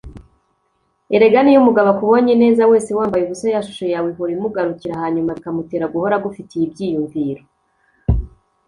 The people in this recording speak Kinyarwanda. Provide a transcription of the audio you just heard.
erega niyo umugabo akubonye neza wese wambaye ubusa ya shusho yawe ihora imugarukira hanyuma bikamutera guhora agufitiye ibyiyumviro